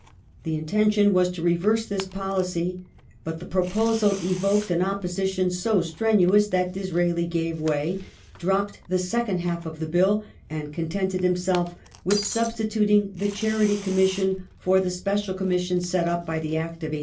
The intention was to reverse this policy, but the pro posal evoked an opposition so strenuous that Disraeli gave way, dropped the second half of the Bill, and contented himself with substituting the Charity Commission for the special Commission set up by the Act of 1869.